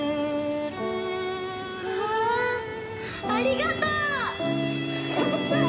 うわあありがとう！